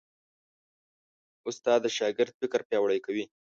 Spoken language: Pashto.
استاد د شاګرد فکر پیاوړی کوي.